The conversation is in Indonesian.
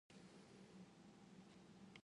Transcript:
Geleng serupa cupak hanyut